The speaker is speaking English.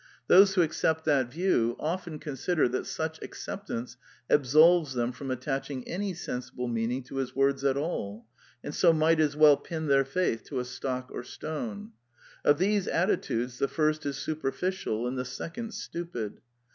Those who accept that view often consider that such acceptance absolves them from attaching any sensible meaning to his words at all, and so might as well pin their faith to a stock or stone. Of these attitudes the first is superficial, and the second stupid.